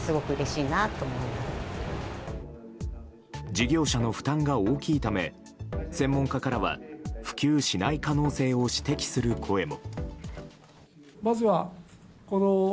事業者の負担が大きいため専門家からは普及しない可能性を指摘する声も。